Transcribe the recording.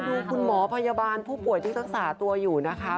ดูคุณหมอพยาบาลผู้ป่วยที่ศักดิ์ศาสตร์อยู่นะคะ